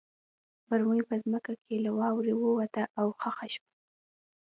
مرمۍ په ځمکه کې له واورې ووته او خښه شوه